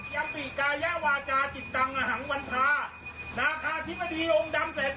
ยังติกายาวาจาจิตตังอหังวันภานาคาทิพธิองค์ดำแสดิจันทาน